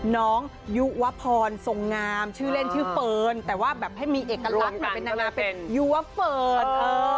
น้องยูวะพรทรงงามชื่อเล่นชื่อเฟิร์นแต่ว่าแบบให้มีเอกลักษณ์หน่อยรวมกันก็เลยเป็นเป็นยูวะเฟิร์นเออ